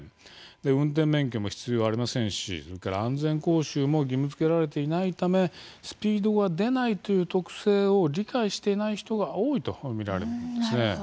運転免許も必要ありませんし安全講習も義務づけられていないためスピードが出ないという特性を理解していない人が多いと見られています。